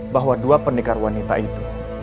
bahwa dua pendekar wanita itu